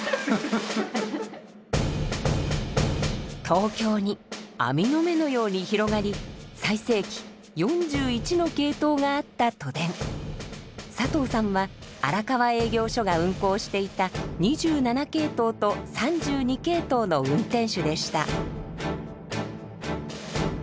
東京に網の目のように広がり最盛期４１の系統があった都電佐藤さんは荒川営業所が運行していた２７系統と３２系統の運転手でした。